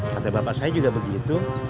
kata bapak saya juga begitu